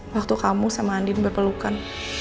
waktu kamu sama andin berpelukan